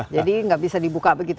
jadi tidak bisa dibuka begitu